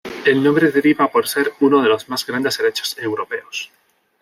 El nombre deriva por ser uno de los más grandes helechos europeos.